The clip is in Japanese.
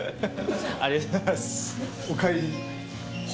ありがとうございます。